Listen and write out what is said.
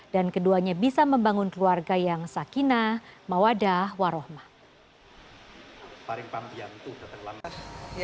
dan keduanya bisa membangun keluarga yang sakinah mawadah warohmah